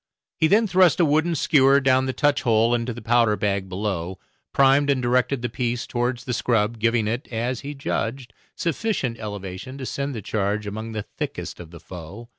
He then thrust a wooden skewer down the touch hole into the powder bag below, primed and directed the piece towards the scrub, giving it, as he judged, sufficient elevation to send the charge among the thickest of the foe.